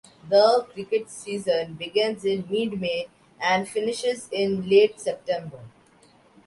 The cricket season begins in mid May and finishes in late September.